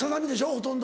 ほとんど。